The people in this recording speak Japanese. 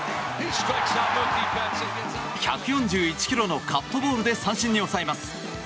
１４１ｋｍのカットボールで三振に抑えます。